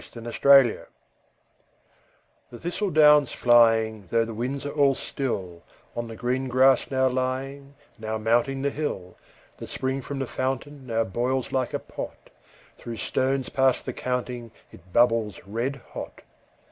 Autumn The thistle down's flying, though the winds are all still, On the green grass now lying, now mounting the hill, The spring from the fountain now boils like a pot; Through stones past the counting it bubbles red hot.